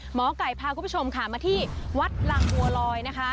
หมอไก่พาคุณผู้ชมค่ะมาที่วัดลังบัวลอยนะคะ